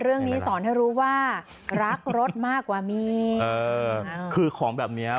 เออคือของแบบเนี้ย